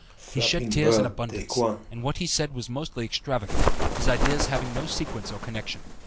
He shed tears in abundance, and what he said was mostly extravagant, his ideas having no sequence or connection.